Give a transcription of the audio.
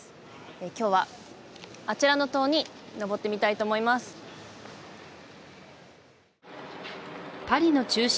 今日はあちらの塔にのぼってみたいと思いますパリの中心